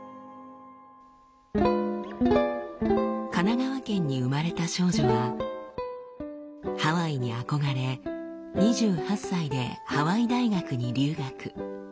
神奈川県に生まれた少女はハワイに憧れ２８歳でハワイ大学に留学。